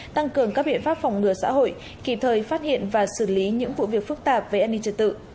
tăng cường các biện pháp phòng ngừa xã hội kịp thời phát hiện và xử lý những vụ việc phức tạp về an ninh trật tự